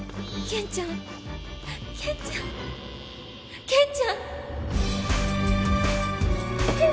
健ちゃん健ちゃん助けて！